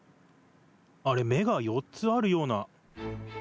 あれ、目が４つあるような。